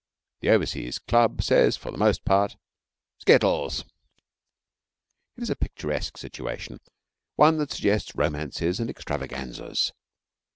The Overseas Club says for the most part 'Skittles!' It is a picturesque situation one that suggests romances and extravaganzas.